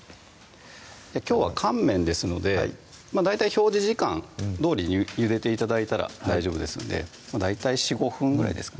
きょうは乾麺ですので表示時間どおりゆでて頂いたら大丈夫ですんで大体４５分ぐらいですかね